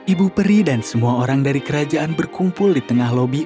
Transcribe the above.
ibu peri dan semua orang dari kerajaan berkumpul di tengah lobi